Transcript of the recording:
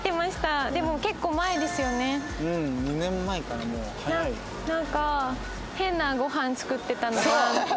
なんか変なご飯作ってたのは覚えて。